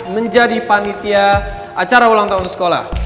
menjadi panitia acara ulang tahun sekolah